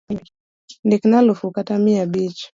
Ndikna alufu kata mia abich.